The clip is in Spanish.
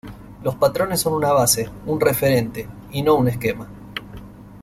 Los patrones son una base, un referente y no un esquema.